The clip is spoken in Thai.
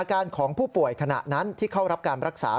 อาการของผู้ป่วยขณะนั้นที่เข้ารับการรักษา